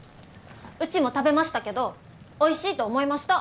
うちも食べましたけどおいしいと思いました。